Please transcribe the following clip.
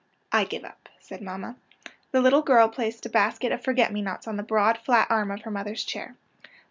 "" I give up," said mamma. The little girl placed a basket of forget me nots on the broad, flat arm of her mother's chair.